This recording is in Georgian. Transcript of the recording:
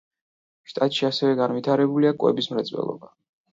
შტატში ასევე განვითარებულია კვების მრეწველობა.